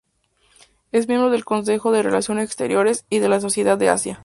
Es miembro del Consejo de Relaciones Exteriores y de la Sociedad de Asia.